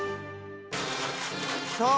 そう。